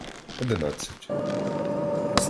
Одинадцять